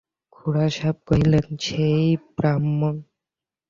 খুড়াসাহেব কহিলেন, সেই ব্রাহ্মণ!